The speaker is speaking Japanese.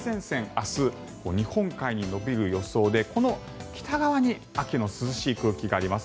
明日、日本海に延びる予想でこの北側に秋の涼しい空気があります。